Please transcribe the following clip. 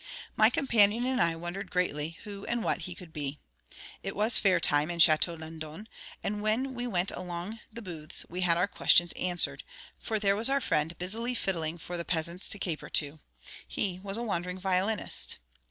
My companion and I wondered greatly who and what he could be. It was fair time in Château Landon, and when we went along to the booths, we had our question answered; for there was our friend busily fiddling for the peasants to caper to. He was a wandering violinist.